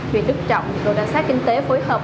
huyện đức trọng đoàn xác kinh tế phối hợp